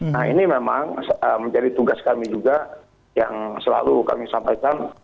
nah ini memang menjadi tugas kami juga yang selalu kami sampaikan